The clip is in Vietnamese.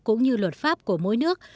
cũng như luật pháp của mỗi nước